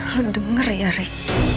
lo denger ya rick